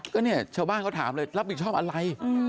ก็เนี่ยชาวบ้านเขาถามเลยรับผิดชอบอะไร